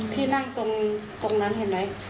ที่นั่งตรงนั้นเห็นไหม